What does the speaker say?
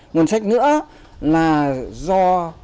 nguồn sách nữa là do